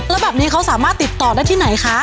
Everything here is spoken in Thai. แล้วแบบนี้เขาสามารถติดต่อได้ที่ไหนคะ